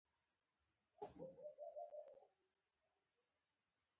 له هوایي کرښو څخه زیاتره د کوم شیانو د وړلو لپاره ګټه اخیستل کیږي؟